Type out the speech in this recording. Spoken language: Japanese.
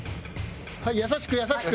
はい優しく優しく。